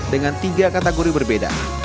dengan tiga kategori berbeda